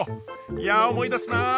いや思い出すなあ！